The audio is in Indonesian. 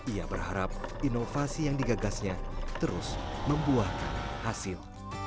ia berharap inovasi yang digagasnya terus membuahkan hasil